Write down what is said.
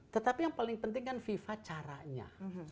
tetapi yang paling penting kan fifa caranya